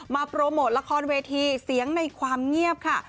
โปรโมทละครเวทีเสียงในความเงียบค่ะ